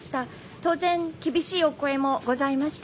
当然、厳しいお声もございました。